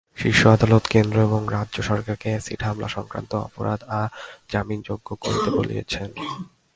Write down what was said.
শীর্ষ আদালত কেন্দ্র এবং রাজ্য সরকারকে অ্যাসিড হামলাসংক্রান্ত অপরাধ অজামিনযোগ্য করতেও বলেছেন।